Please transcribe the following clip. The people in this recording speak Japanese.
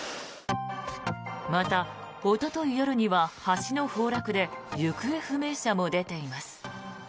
また、おととい夜には橋の崩落で行方不明者も出ています。